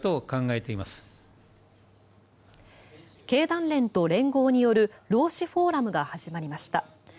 経団連と連合による労使フォーラムが始まりました。